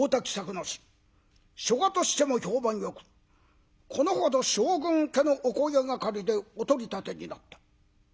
書家としても評判よくこのほど将軍家のお声がかりでお取り立てになった。